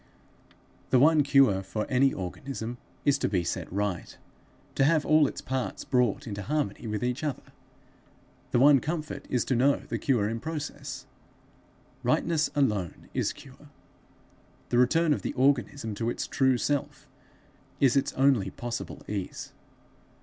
The one cure for any organism, is to be set right to have all its parts brought into harmony with each other; the one comfort is to know this cure in process. Rightness alone is cure. The return of the organism to its true self, is its only possible ease.